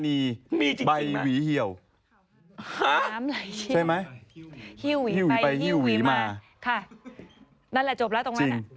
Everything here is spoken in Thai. ฮิ้วหวีไปฮิ้วหวีมาค่ะนั่นแหละจบแล้วตรงนั้นแหละจริง